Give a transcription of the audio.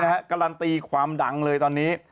นี่นะครับการันตีความดังเลยตอนนี้